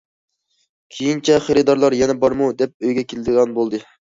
كېيىنچە خېرىدارلار يەنە بارمۇ، دەپ ئۆيگە كېلىدىغان بولدى.